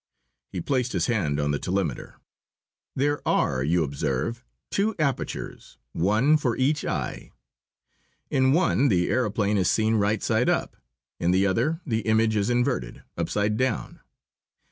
He placed his hand on the telemeter. "There are, you observe, two apertures, one for each eye. In one the aëroplane is seen right side up. In the other the image is inverted, upside down.